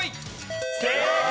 正解！